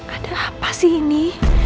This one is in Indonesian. ada apa sih ini